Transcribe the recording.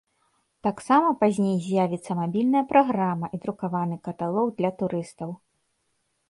Таксама пазней з'явіцца мабільная праграма і друкаваны каталог для турыстаў.